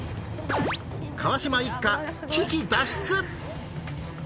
川島一家危機脱出！